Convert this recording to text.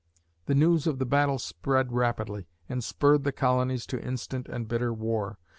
The news of the battle spread rapidly and spurred the colonies to instant and bitter war.